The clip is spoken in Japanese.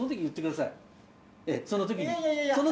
その時に。